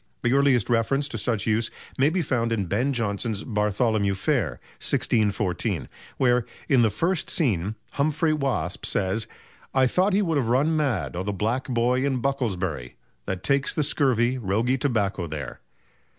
The earliest reference to such use may be found in Ben Jonson's "Bartholomew Fair," 1614, where, in the first scene, Humphrey Waspe says: "I thought he would have run mad o' the Black Boy in Bucklersbury, that takes the scurvy, roguy tobacco there."